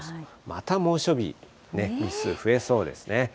また猛暑日日数増えそうですね。